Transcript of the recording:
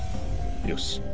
よし。